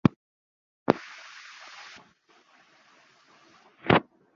তাই একরাতে তাদের একজন তাকে হত্যা করল এবং তার লাশ চৌরাস্তায় ফেলে রেখে এল।